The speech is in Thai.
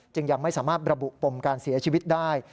ยังไม่สามารถระบุปมการเสียชีวิตได้